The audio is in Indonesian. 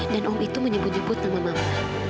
dan umum itu menyebut nyebut nama mamamu